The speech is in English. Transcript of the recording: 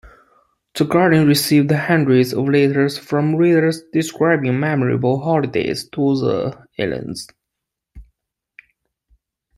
"The Guardian" received hundreds of letters from readers describing memorable holidays to the islands.